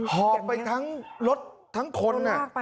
หอบไปทั้งรถทั้งคน